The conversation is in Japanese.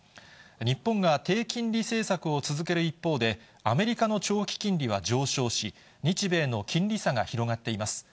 日本が低金利政策を続ける一方で、アメリカの長期金利が上昇し、日米の金利差が広がっています。